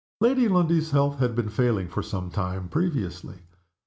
Lady Lundie's health had b een failing for some time previously.